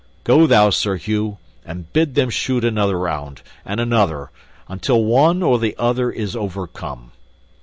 Go thou, Sir Hugh, and bid them shoot another round, and another, until one or the other is overcome."